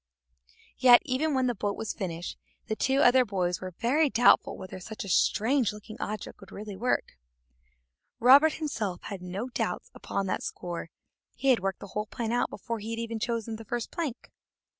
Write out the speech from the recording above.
Yet, even when the boat was finished, the two other boys were very doubtful whether such a strange looking object would really work, Robert himself had no doubts upon that score; he had worked the whole plan out before he had chosen the first plank.